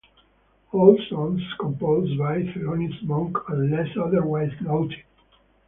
All songs composed by Thelonious Monk unless otherwise noted.